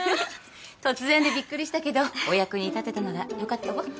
突然でびっくりしたけどお役に立てたならよかったわ。